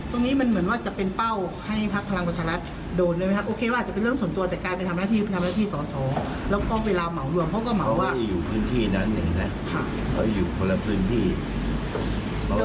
ตรงนี้มันเหมือนว่าจะเป็นเป้า